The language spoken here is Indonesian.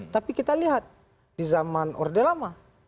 tapi kita lihat di zaman orde lama